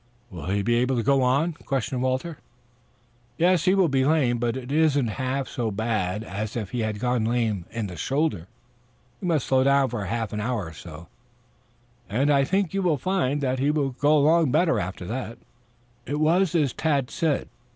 "Will he be able to go on?" questioned Walter. "Yes. He will be lame, but it isn't half so bad as if he had gone lame in the shoulder. We must slow down for half an hour or so, and I think you will find he will go along better after that." It was as Tad had said.